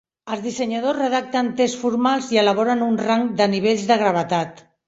Els dissenyadors redacten tests formals i elaboren un rang de nivells de gravetat.